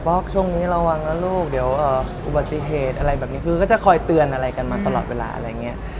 ช่วงนี้ระวังนะลูกเดี๋ยวอุบัติเหตุอะไรแบบนี้คือก็จะคอยเตือนอะไรกันมาตลอดเวลาอะไรอย่างนี้